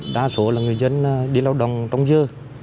đa số là người dân đi lao động trong dừa